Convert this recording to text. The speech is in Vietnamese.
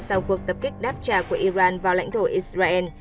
sau cuộc tập kích đáp trả của iran vào lãnh thổ israel